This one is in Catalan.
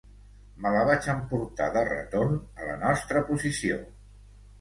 Me la vaig emportar de retorn a la nostra posició